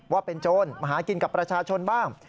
ว่าเป็นโจรมาหากินกับประชาชนบ้าง